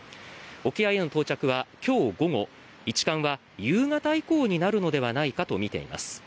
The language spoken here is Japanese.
沖合への到着は今日午後一管は夕方以降になるのではないかとみています。